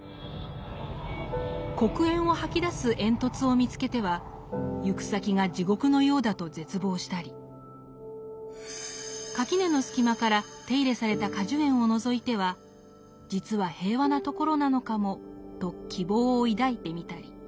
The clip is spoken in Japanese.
黒煙を吐き出す煙突を見つけては行く先が地獄のようだと絶望したり垣根の隙間から手入れされた果樹園をのぞいては「実は平和な所なのかも」と希望を抱いてみたり。